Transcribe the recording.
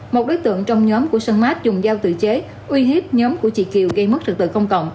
một đối tượng trong nhóm của sơn mát dùng dao tự chế uy hiếp nhóm của chị kiều gây mất trực tự công cộng